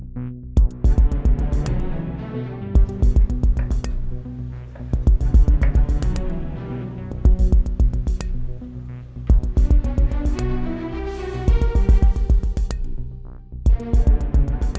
mau tengennya jangan besar besar